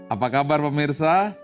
apa kabar pemirsa